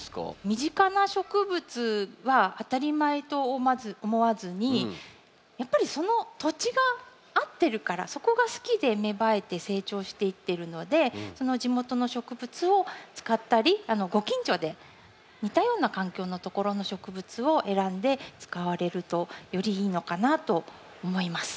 身近な植物は当たり前とまず思わずにやっぱりその土地が合ってるからそこが好きで芽生えて成長していってるのでその地元の植物を使ったりご近所で似たような環境のところの植物を選んで使われるとよりいいのかなと思います。